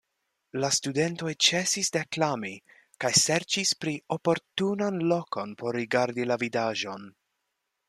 La studentoj ĉesis deklami kaj serĉis pli oportunan lokon por rigardi la vidaĵon.